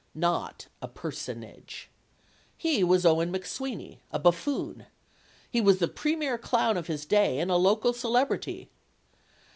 Not a "personage." He was Owen McSwinney, a buffoon. He was the premier clown of his day and a local celebrity.